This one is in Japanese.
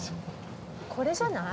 これじゃない？